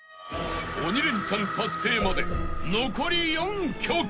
［鬼レンチャン達成まで残り４曲］